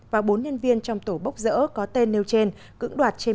và bốn nhân viên trong tổ bốc dỡ có tên nêu trên cững đoạt trên một tỷ đồng